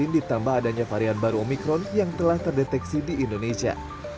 ditambah adanya varian baru omikron yang telah terdeteksi di indonesia